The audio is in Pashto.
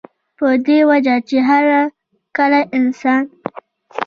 پۀ دې وجه چې هر کله انسان